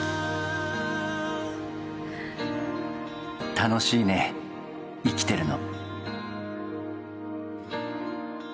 楽しいね生きてるの。